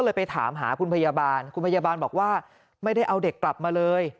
ไปถามหาคุณพยาบาลคุณพยาบาลบอกว่าไม่ได้เอาเด็กกลับมาเลย